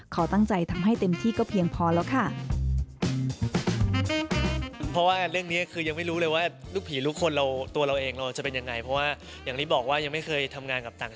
เขาตั้งใจทำให้เต็มที่ก็เพียงพอแล้วค่ะ